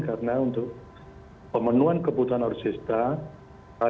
karena untuk pemenuhan kebutuhan orang sista